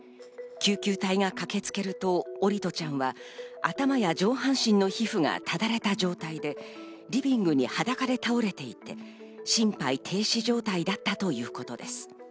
救急隊が駆けつけると桜利斗ちゃんは頭や上半身の皮膚がただれた状態で、リビングに裸で倒れていて、心肺停止状態だったということです。